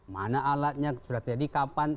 mana alatnya sudah jadi kapan